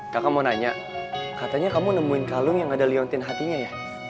kakak mau nanya katanya kamu nemuin kalung yang ada leontain hatinya ya